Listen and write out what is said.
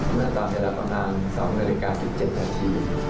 เมื่อตอนเวลาประมาณ๒นาฬิกา๑๗นาที